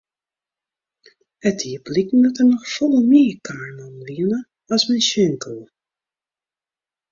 It die bliken dat der noch folle mear kaaimannen wiene as men sjen koe.